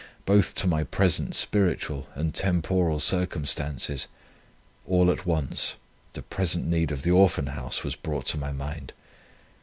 both to my present spiritual and temporal circumstances: all at once the present need of the Orphan House was brought to my mind.